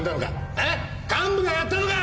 えっ？幹部がやったのか！？